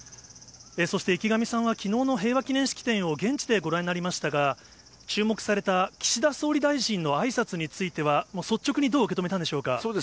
そして池上さんは、きのうの平和式典を現地でご覧になりましたが、注目された岸田総理大臣のあいさつについては、もう率直に、どう受け止めたんでしょうか？